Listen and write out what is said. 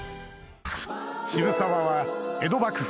渋沢は江戸幕府